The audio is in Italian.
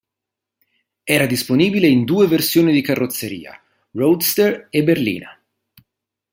Era disponibile in due versioni di carrozzeria, roadster e berlina.